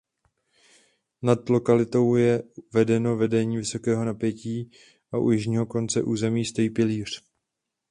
Nad lokalitou je vedeno vedení vysokého napětí a u jižního konce území stojí pilíř.